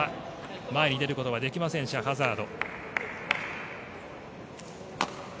前に出ることはできませんシャハザード。